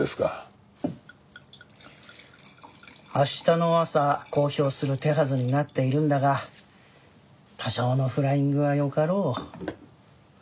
明日の朝公表する手はずになっているんだが多少のフライングはよかろう。